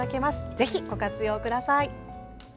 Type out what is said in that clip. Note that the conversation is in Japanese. ぜひ、ご活用ください。